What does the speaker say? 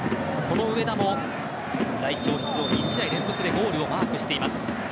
上田も、代表出場２試合連続でゴールをマークしています。